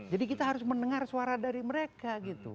jadi kita harus mendengar suara dari mereka